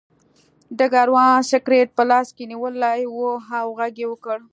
ډګروال سګرټ په لاس کې نیولی و او غږ یې وکړ